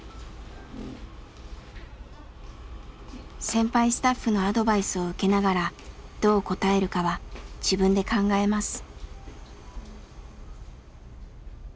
先輩スタッフのアドバイスを受けながらどう答えるかは自分で考えます。